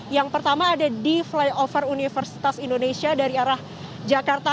yang pertama ada di flyover universitas indonesia dari arah jakarta